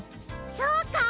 そうか。